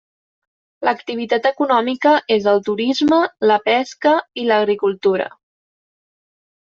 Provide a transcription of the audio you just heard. L'activitat econòmica és el turisme, la pesca i l'agricultura.